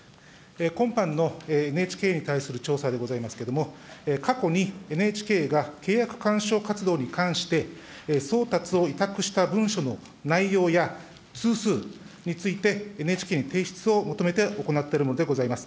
今般のＮＨＫに対する調査でございますけれども、過去にＮＨＫが契約勧奨活動に関して、送達を委託した文書の内容や、通数について、ＮＨＫに提出を求めて行っているものでございます。